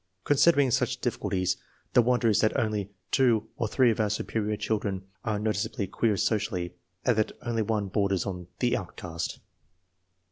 Considering such difficulties, the wonder is that only two or three of our superior children are no ticeably queer socially, and that only one borders on the "outcast."